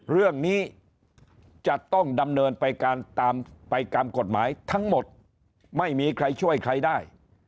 เรื่องนี้จะต้องดำเนินไปการตามไปตามกฎหมายทั้งหมดไม่มีใครช่วยใครได้